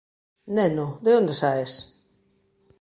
Neno, de onde saes?